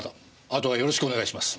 あとはよろしくお願いします。